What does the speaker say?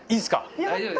やった！